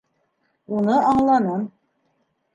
Уны аңланым.